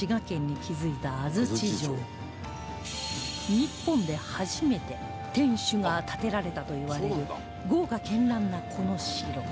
日本で初めて天主が建てられたといわれる豪華絢爛なこの城